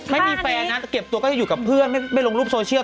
ไม่มีแฟนนะเก็บตัวก็จะอยู่กับเพื่อนไม่ลงรูปโซเชียล